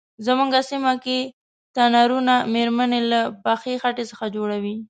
زمونږ سیمه کې تنرونه میرمنې له پخې خټې څخه جوړوي.